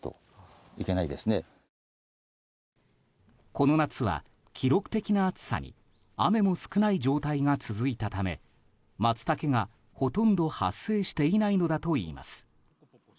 この夏は記録的な暑さに雨も少ない状態が続いたためマツタケがほとんど発生していないのだといいます。